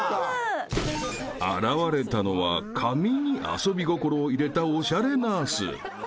［現れたのは髪に遊び心を入れたおしゃれナース］